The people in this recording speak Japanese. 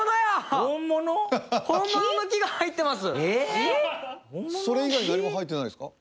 ハハハそれ以外何も入ってないですか？